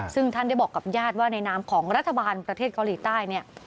ซึ่งท่านได้บอกกับญาติว่าในนามของรัฐบาลประเทศเกาหลีใต้เนี่ย